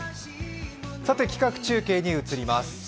企画中継に移ります。